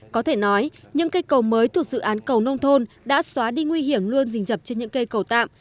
có thể nói những cây cầu mới thuộc dự án cầu nông thôn đã xóa đi nguy hiểm luôn dình dập trên những cây cầu tạm